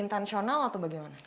itu intensional atau bagaimana